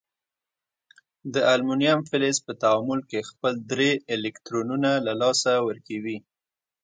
د المونیم فلز په تعامل کې خپل درې الکترونونه له لاسه ورکوي.